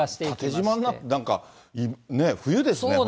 縦じまになって、なんか冬ですね、本当に。